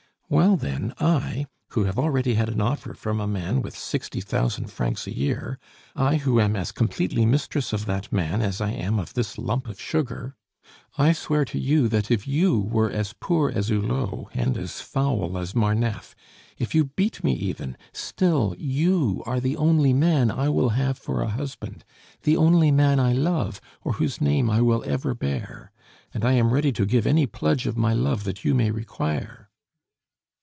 Well, then, I who have already had an offer from a man with sixty thousand francs a year, I who am as completely mistress of that man as I am of this lump of sugar I swear to you that if you were as poor as Hulot and as foul as Marneffe, if you beat me even, still you are the only man I will have for a husband, the only man I love, or whose name I will ever bear. And I am ready to give any pledge of my love that you may require."